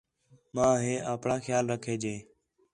ماں ہِے آپݨاں خیال رکھے ڄے